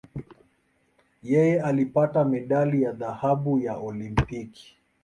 Yeye alipata medali ya dhahabu ya Olimpiki.